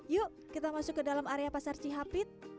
yuk kita masuk ke dalam area pasar cihapit